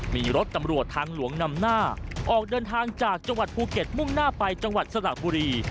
มีรถตำรวจทางหลวงนำหน้าออกเดินทางจากจังหวัดภูเก็ตมุ่งหน้าไปจังหวัดสระบุรี